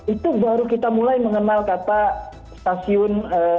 itu baru kita mulai mengenal kata stasiun